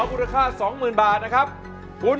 เอาละเดี๋ยวชิคกี้พายพิเศษ